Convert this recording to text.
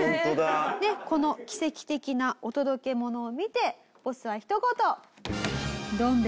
この奇跡的なお届け物を見てボスはひと言。